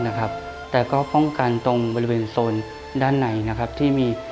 หรือป้องกันบริเวณโซนทางใน